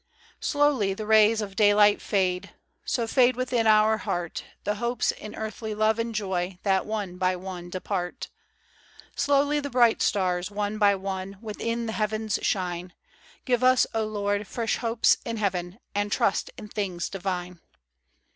A DREAM. IOI Slowly the rays of daylight fade ; So fade within our heart The hopes in earthly love and joy, That one by one depart; Slowly the bright stars, one by one, Within the Heavens shine: — Give us, O Lord, fresh hopes in Heaven And trust in things divine.